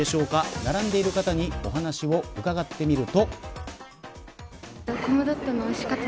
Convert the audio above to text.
並んでいる方にお話を伺ってみると。